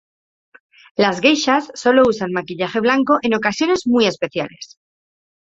Las geishas sólo usan el maquillaje blanco en ocasiones muy especiales.